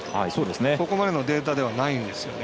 ここまでのデータではないんですよね。